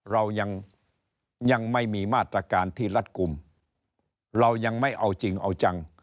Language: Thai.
เรายังยังไม่มีมาตรการที่รัดกลุ่มเรายังไม่เอาจริงเอาจัง